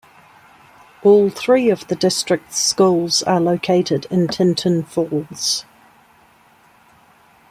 All three of the district's schools are located in Tinton Falls.